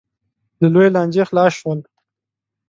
له لویې لانجې خلاص شول.